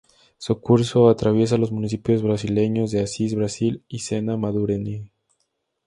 Su curso atraviesa los municipios brasileños de Assis Brasil y Sena Madureira.